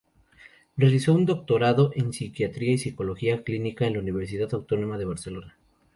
Realizó un doctorado en Psiquiatría y Psicología Clínica en la Universidad Autónoma de Barcelona.